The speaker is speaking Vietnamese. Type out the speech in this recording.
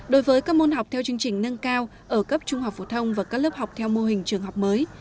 đối với các môn học theo chương trình nâng cao ở cấp trung học phổ thông và các lớp học theo mô hình trường học mới